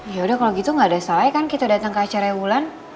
yaudah kalau gitu gak ada salahnya kan kita datang ke acaranya wulan